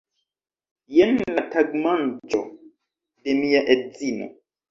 Jen la tagmanĝo de mia edzino